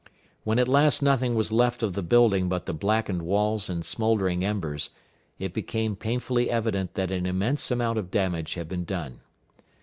When at last nothing was left of the building but the blackened walls and smoldering embers, it became painfully evident that an immense amount of damage had been done.